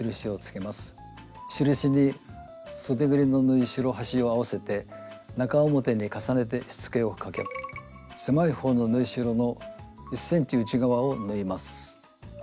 印にそでぐりの縫いしろ端を合わせて中表に重ねてしつけをかけ狭い方の縫いしろの１ｃｍ内側を縫います。